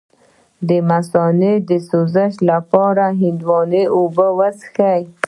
د مثانې د سوزش لپاره د هندواڼې اوبه وڅښئ